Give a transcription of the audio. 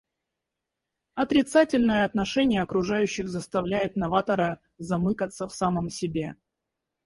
Отрицательное отношение окружающих заставляет новатора замыкаться в самом себе.